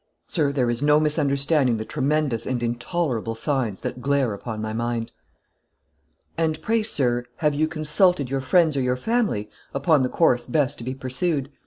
Sir, there is no misunderstanding the tremendous and intolerable signs that glare upon my mind." "And pray, sir, have you consulted your friends or your family upon the course best to be pursued?"